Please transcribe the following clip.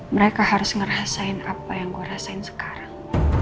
mereka harus ngerasain apa yang gue rasain sekarang